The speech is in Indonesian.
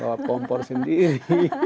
bawa kompor sendiri